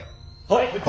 はい！